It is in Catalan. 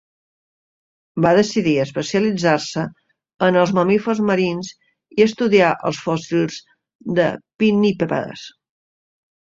Va decidir especialitzar-se en els mamífers marins i estudià els fòssils de pinnípedes.